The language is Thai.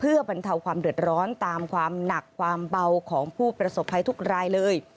เพื่อบรรเทาความเดือดร้อนตามความหนักความเบาของผู้ประสบภัยทุกรายเลย